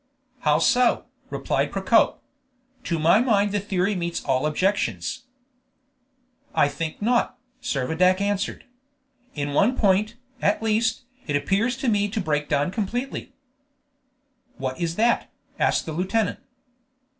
"How so?" replied Procope. "To my mind the theory meets all objections." "I think not," Servadac answered. "In one point, at least, it appears to me to break down completely." "What is that?" asked the lieutenant.